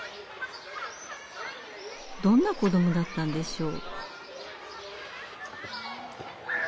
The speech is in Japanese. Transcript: どんな子どもだったんでしょう。